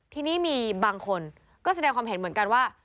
ทีนี้มีบางคนก็แสดงความเห็นเหมือนกันว่า